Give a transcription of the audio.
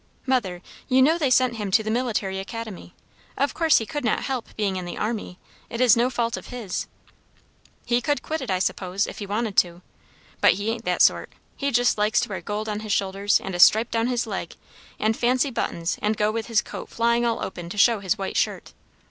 "Mother, you know they sent him to the Military Academy; of course he could not help being in the army. It is no fault of his." "He could quit it, I suppose, if he wanted to. But he ain't that sort. He just likes to wear gold on his shoulders, and a stripe down his leg, and fancy buttons, and go with his coat flying all open to show his white shirt.